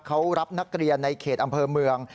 เขารับนักเรียนในเขตอำเภอเมือง